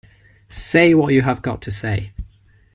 Say what you have got to say!